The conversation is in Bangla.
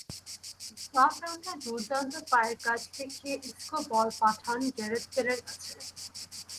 বাঁ প্রান্তে দুর্দান্ত পায়ের কাজ দেখিয়ে ইসকো বল পাঠান গ্যারেথ বেলের কাছে।